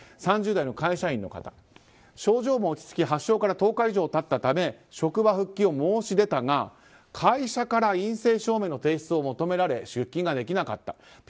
３０代の会社員の方症状も落ち着き発症から１０日以上経ったため職場復帰を申し出たが会社から陰性証明の提出を求められ出勤できなかった。